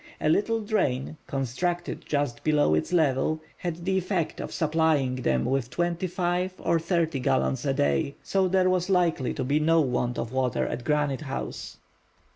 A little drain, constructed just below its level, had the effect of supplying them with twenty five or thirty gallons a day; so there was likely to be no want of water at Granite House.